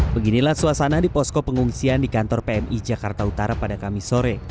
beginilah suasana di posko pengungsian di kantor pmi jakarta utara pada kamis sore